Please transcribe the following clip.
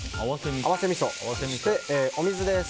合わせみそです。